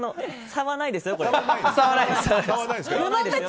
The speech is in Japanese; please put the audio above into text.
差はないですよ。